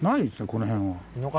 この辺は。